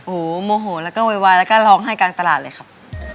โอ้โหโมโหแล้วก็โวยวายแล้วก็ร้องไห้กลางตลาดเลยครับ